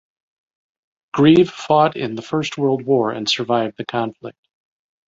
Greive fought in the First World War and survived the conflict.